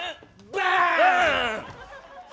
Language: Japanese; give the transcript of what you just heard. バーン！